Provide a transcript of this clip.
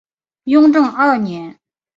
雍正二年。